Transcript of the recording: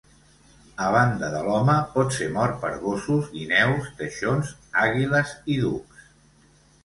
A banda de l'home, pot ser mort per gossos, guineus, teixons, àguiles i ducs.